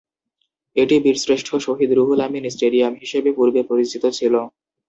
এটি বীরশ্রেষ্ঠ শহীদ রুহুল আমিন স্টেডিয়াম হিসেবে পূর্বে পরিচিত ছিল।